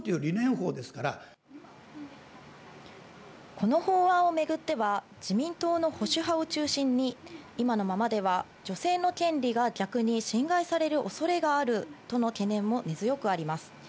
この法案を巡っては、自民党の保守派を中心に今のままでは女性の権利が逆に侵害される恐れがあるとの懸念も根強くあります。